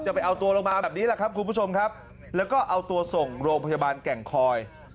จะไปเอาตัวลงมาแบบนี้แล้วก็เอาตัวส่งโรงพยาบาลแก่งคอย